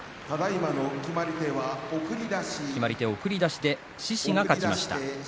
決まり手は送り出しで獅司が勝ちました。